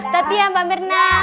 dadah mba mirna